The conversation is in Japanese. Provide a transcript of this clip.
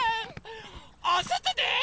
おそとで。